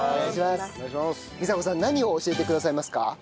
美佐子さん何を教えてくださいますか？